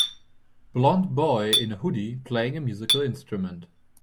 Blond boy in a hoodie playing a musical instrument.